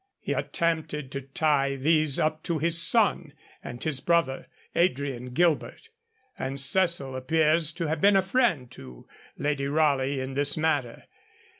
He attempted to tie these up to his son, and his brother, Adrian Gilbert, and Cecil appears to have been a friend to Lady Raleigh in this matter.